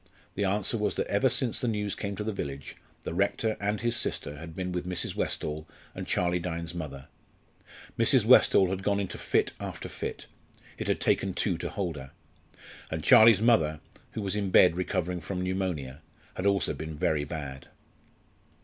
The answer was that ever since the news came to the village the rector and his sister had been with Mrs. Westall and Charlie Dyne's mother. Mrs. Westall had gone into fit after fit; it had taken two to hold her, and Charlie's mother, who was in bed recovering from pneumonia, had also been very bad.